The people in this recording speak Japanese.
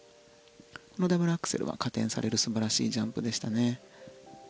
ダブルアクセルは加点される素晴らしいジャンプでしたね。